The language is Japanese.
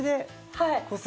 はい。